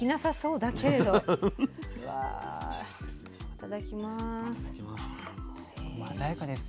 いただきます。